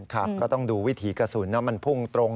ก็ต้องดูวิถีกระสุนมันพุ่งตรง